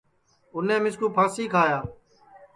اُنے مِسکُو پھانٚسی کھایا